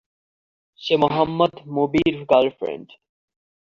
সে Mohammad Mobir girlfriend.